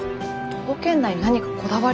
徒歩圏内に何かこだわりが。